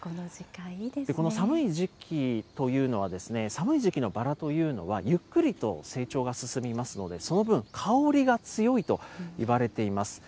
この寒い時期というのは、寒い時期のバラというのは、ゆっくりと成長が進みますので、その分、香りが強いといわれています。